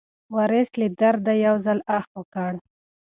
وارث له درده یو ځل اخ کړ.